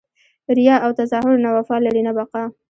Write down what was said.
ریاء او تظاهر نه وفا لري نه بقاء!